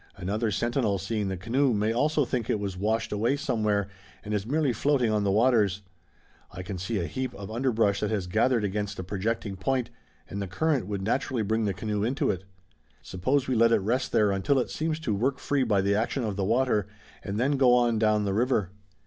"Another sentinel seeing the canoe may also think it was washed away somewhere and is merely floating on the waters. I can see a heap of underbrush that has gathered against a projecting point, and the current would naturally bring the canoe into it. Suppose we let it rest there until it seems to work free by the action of the water, and then go on down the river."